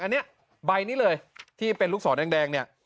อันนี้ใบนี้เลยที่เป็นลูกศรแดงเนี่ย